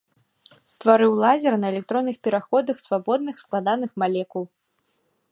Стварыў лазер на электронных пераходах свабодных складаных малекул.